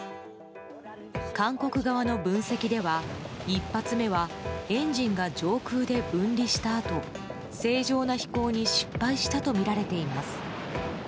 韓国側の分析では１発目はエンジンが上空で分離したあと正常な飛行に失敗したとみられています。